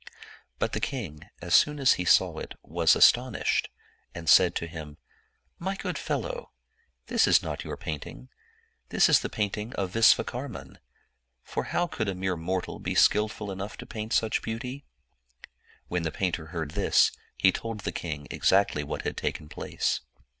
But the king, as soon as he saw it, was as tonished, and said to him, " My good fellow, this is not your painting, this is the painting of Visvakarman ; for how could a mere mortal be skillful enough to paint such beauty ?" When the painter heard this, he told the king exactly what had taken place.